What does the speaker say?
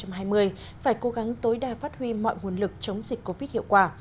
năm hai nghìn hai mươi phải cố gắng tối đa phát huy mọi nguồn lực chống dịch covid hiệu quả